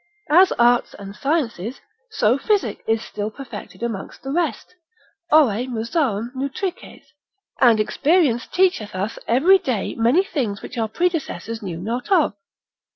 As arts and sciences, so physic is still perfected amongst the rest; Horae musarum nutrices, and experience teacheth us every day many things which our predecessors knew not of.